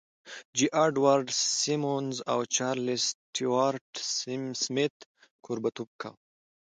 جې اډوارډ سیمونز او چارلیس سټیوارټ سمیت کوربهتوب کاوه